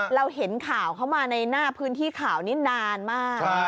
เราเห็นข่าวเข้ามาในหน้าพื้นที่ข่าวนี้นานมาก